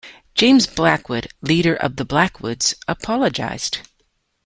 James Blackwood, leader of the Blackwoods, apologized.